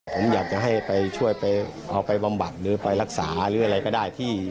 ผมอยากจะให้ไปช่วยไปเอาไปบำบัดหรือไปรักษาหรืออะไรก็ได้